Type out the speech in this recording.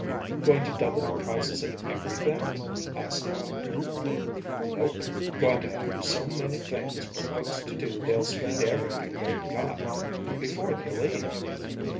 "Going to double the prices of everything?" asked Helen. "Nope. Goin' to have so many things for folks to do they'll spend everything they got before they leave."